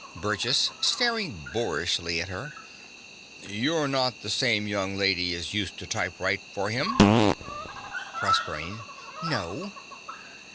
BURGESS (staring boorishly at her). You're not the same young lady as used to typewrite for him? PROSERPINE. No.